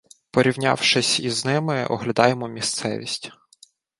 Порівнявшись із ними, оглядаємо місцевість.